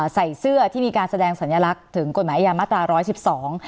ใส่เสื้อที่มีการแสดงสัญลักษณ์ถึงกฎหมายยามาตราร้อยสิบสอง